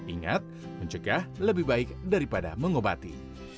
ingat mencegah lebih baik daripada mengobati